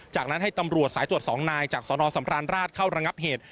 จากนั้นให้ตำรวจสายตรวจ๒นายจากสนสำราญราชเข้าระงับเหตุ